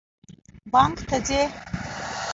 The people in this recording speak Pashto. بانک ته ځئ؟